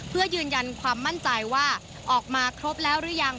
เพื่อยืนยันความมั่นใจว่าออกมาครบแล้วหรือยัง